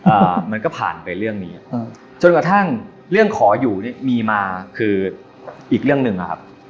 อ่ามันก็ผ่านไปเรื่องนี้อ่าจนกระทั่งเรื่องขออยู่เนี้ยมีมาคืออีกเรื่องหนึ่งอะครับ